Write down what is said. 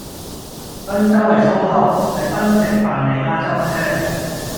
賓州係粗口？係賓夕凡尼亞州唧